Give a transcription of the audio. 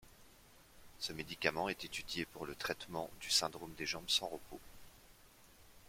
Ce médicament est étudié pour le traitement du syndrome des jambes sans repos.